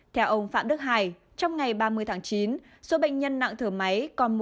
theo ông phạm đức hải trong ngày ba mươi tháng chín số bệnh nhân nặng thở máy còn một năm trăm sáu mươi tám